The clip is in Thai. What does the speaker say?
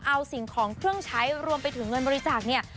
เอาสิ่งของเครื่องใช้รวมไปถึงเงินบริจาคเนี่ย